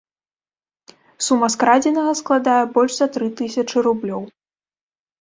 Сума скрадзенага складае больш за тры тысячы рублёў.